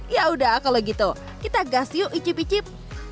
yaudah kalau gitu kita gas yuk icip icip